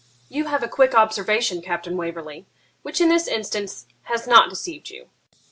'You have a quick observation, Captain Waverley, which in this instance has not deceived you.